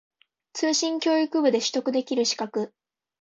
通信教育部で取得できる資格